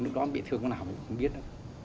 lúc đó bị thương của nào cũng không biết đâu